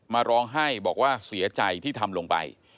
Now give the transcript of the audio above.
มาร้องให้บอกว่าเสียใจที่ทำลงไป